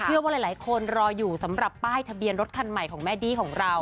เชื่อว่าหลายคนรออยู่สำหรับป้ายทะเบียนรถคันใหม่ของแม่ดี้ของเรา